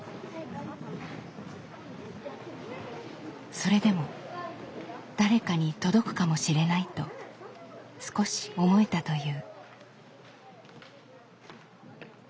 それでも「誰かに届くかもしれない」と少し思えたという。